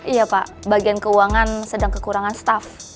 iya pak bagian keuangan sedang kekurangan staff